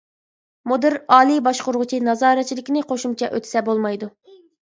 مۇدىر، ئالىي باشقۇرغۇچى نازارەتچىلىكنى قوشۇمچە ئۆتىسە بولمايدۇ.